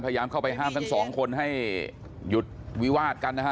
พยายามเข้าไปห้ามทั้งสองคนให้หยุดวิวาดกันนะฮะ